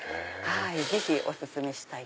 ぜひお薦めしたいと。